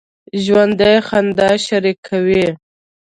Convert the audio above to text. ژوندي خندا شریکه وي